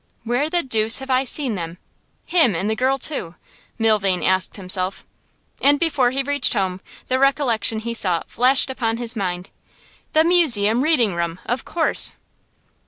'Where the deuce have I seen them him and the girl too?' Milvain asked himself. And before he reached home the recollection he sought flashed upon his mind. 'The Museum Reading room, of course!